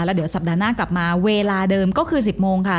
แล้วเดี๋ยวสัปดาห์หน้ากลับมาเวลาเดิมก็คือ๑๐โมงค่ะ